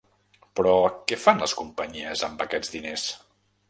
Però, què fan les companyies amb aquests diners?